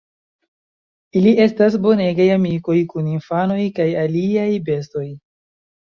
Ili estas bonegaj amikoj kun infanoj kaj aliaj bestoj.